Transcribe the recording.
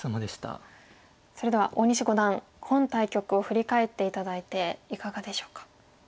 それでは大西五段本対局を振り返って頂いていかがでしょうか？